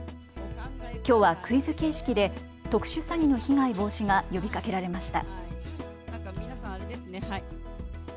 きょうはクイズ形式で特殊詐欺の被害防止が呼びかけられました。